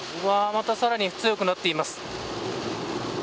また、さらに強くなっています。